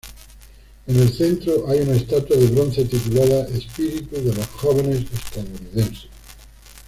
En el centro hay una estatua de bronce titulada "Espíritu de los Jóvenes Estadounidenses".